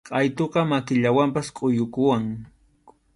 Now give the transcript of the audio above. Qʼaytutaqa makillawanpas kʼuyukunam.